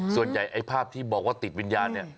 ส่วนใหญ่ไอ่ภาพที่บอกว่าติดวิญญาณนี่